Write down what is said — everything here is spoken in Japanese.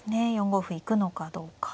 ４五歩行くのかどうか。